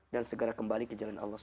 dan segera kembali ke jalan allah